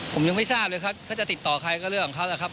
ผมยังไม่ทราบเลยครับเขาจะติดต่อใครก็เรื่องของเขานะครับ